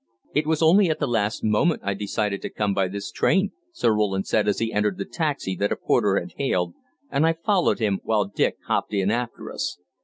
"It was only at the last moment I decided to come by this train," Sir Roland said as he entered the taxi that a porter had hailed, and I followed him, while Dick hopped in after us.